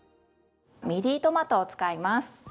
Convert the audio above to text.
ミディトマトを使います。